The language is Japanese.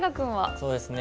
そうですね。